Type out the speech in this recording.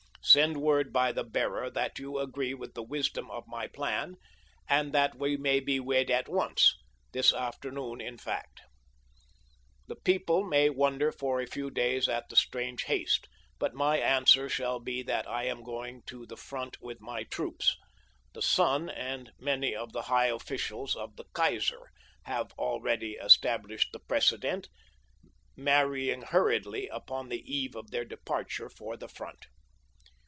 Send word by the bearer that you agree with the wisdom of my plan, and that we may be wed at once—this afternoon, in fact. The people may wonder for a few days at the strange haste, but my answer shall be that I am going to the front with my troops. The son and many of the high officials of the Kaiser have already established the precedent, marrying hurriedly upon the eve of their departure for the front.